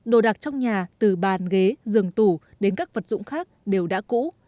đồ đạc trong nhà từ bàn ghế giường tủ đến các vật dụng khác đều đã cũ